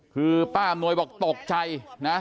คือป้าอำนวยบอกตกใจนะ